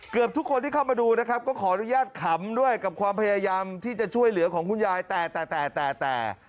เกือบทุกคนที่เข้ามาดูนะครับก็ขออนุญาตขำด้วยกับความพยายามที่จะช่วยเหลือของคุณยายแต่แต่แต่